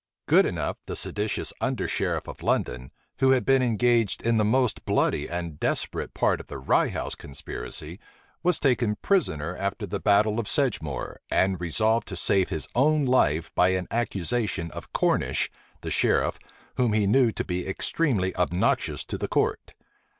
Goodenough, the seditious under sheriff of London, who had been engaged in the most bloody and desperate part of the Rye house conspiracy, was taken prisoner after the battle of Sedgemoor, and resolved to save his own life by an accusation of Cornish, the sheriff, whom he knew to be extremely obnoxious to the court.